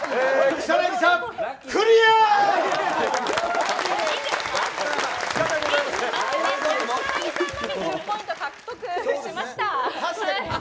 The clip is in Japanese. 草なぎさんのみ１０ポイント獲得しました。